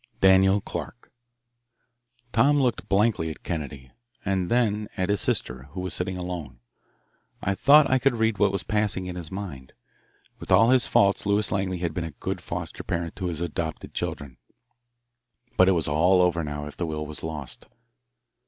DANIEL CLARK Tom looked blankly at Kennedy, and then at his sister, who was sitting alone. I thought I could read what was passing in his mind. With all his faults Lewis Langley had been a good foster parent to his adopted children. But it was all over now if the will was lost.